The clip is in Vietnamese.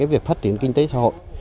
việc phát triển kinh tế xã hội